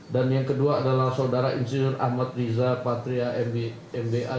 dan yang kedua adalah saudara insinyur ahmad riza patria mba